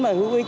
và hữu ích